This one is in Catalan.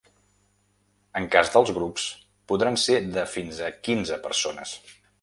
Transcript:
En cas dels grups, podran ser de fins a quinze persones.